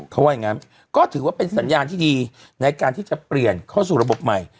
เขาว่าอย่างนั้นก็ถือว่าเป็นสัญญาณที่ดีในการที่จะเปลี่ยนเข้าสู่ระบบใหม่